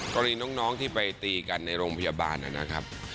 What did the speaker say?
กรณีน้องที่ไปตีกันในโรงพยาบาลนะครับ